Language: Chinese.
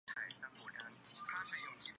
町内有东急田园都市线驹泽大学站。